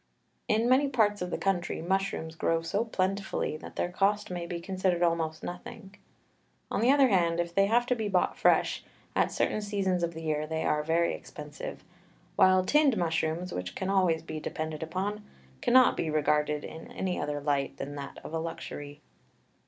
In many parts of the country mushrooms grow so plentifully that their cost may be considered almost nothing. On the other hand, if they have to be bought fresh, at certain seasons of the year they are very expensive, while tinned mushrooms, which can always be depended upon, cannot be regarded in any other light than that of a luxury.